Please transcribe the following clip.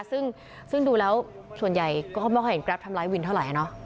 ซึ่งดูแล้วส่วนใหญ่ก็ไม่ค่อยเห็นแกรปทำร้ายวินเท่าไหร่เนอะ